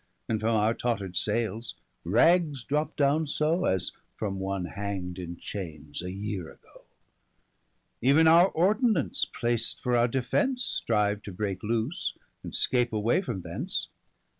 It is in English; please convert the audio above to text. And from our totterd sailes, ragges drop downe so, As from one hang'd in chaines, a yeare agoe. Even our Ordinance plac'd for our defence, Strive to breake loose, and scape away from thence.